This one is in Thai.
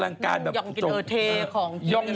ต้องยองกินเออเทของกิน